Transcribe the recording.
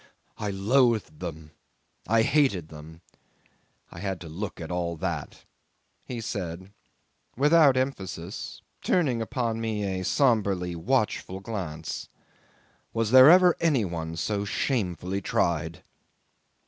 "I loathed them. I hated them. I had to look at all that," he said without emphasis, turning upon me a sombrely watchful glance. "Was ever there any one so shamefully tried?"